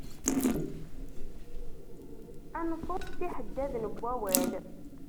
Ansuf s yiḥeddaden n wawal.